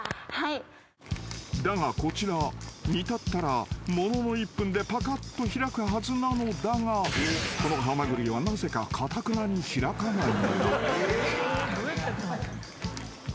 ［だがこちら煮立ったらものの１分でぱかっと開くはずなのだがこのハマグリはなぜかかたくなに開かないのだ］